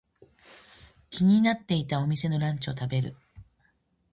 気になっていたお店のランチを食べる。